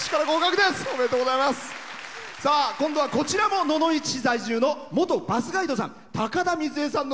今度はこちらも野々市市在住の元バスガイドさん。